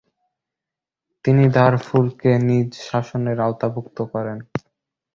তিনি দারফুরকে নিজ শাসনের আওতাভুক্ত করেন।